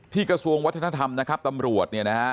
กระทรวงวัฒนธรรมนะครับตำรวจเนี่ยนะฮะ